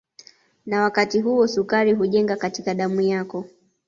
Na wakati huo sukari hujenga katika damu yako